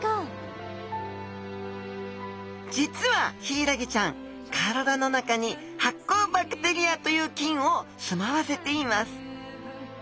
実はヒイラギちゃん体の中に発光バクテリアという菌を住まわせています。